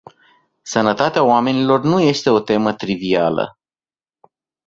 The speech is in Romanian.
Sănătatea oamenilor nu este o temă trivială.